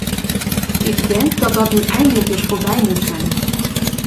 Ik denk dat dat nu eindelijk eens voorbij moet zijn.